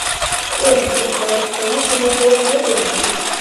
Эгь, уртахъ, тамашала суал хӀебиалли!